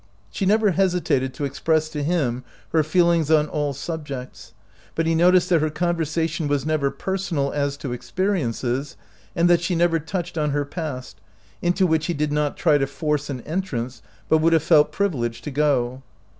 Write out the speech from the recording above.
She never hesitated to express to him her 63 OUT OF BOHEMIA feelings on all subjects, but he noticed that her conversation was never personal as to experiences, and that she never touched on her past, into which he did not try to force an entrance, but would have felt privileged to go.